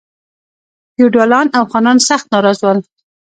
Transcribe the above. فیوډالان او خانان سخت ناراض ول.